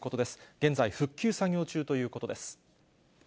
現在、復旧作業中ということです。